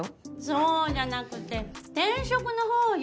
そうじゃなくて転職のほうよ。